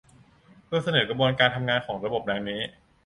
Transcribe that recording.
โดยเสนอกระบวนการทำงานของระบบดังนี้